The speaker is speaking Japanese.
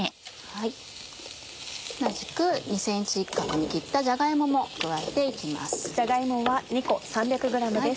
同じく２ｃｍ角に切ったじゃが芋も加えて行きます。